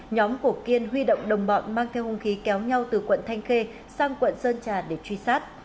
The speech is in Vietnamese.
nhóm của kiên huy động đồng bọn mang theo hung khí kéo nhau từ quận thanh khê sang quận sơn trà để truy sát